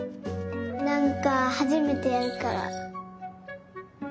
なんかはじめてやるから。